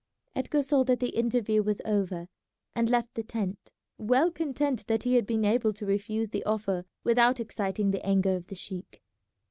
Edgar saw that the interview was over, and left the tent, well content that he had been able to refuse the offer without exciting the anger of the sheik.